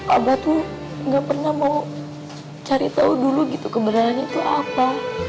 abah tuh gak pernah mau cari tahu dulu gitu kebenaran itu apa